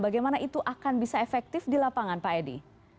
bagaimana itu akan bisa efektif di lapangan pak edi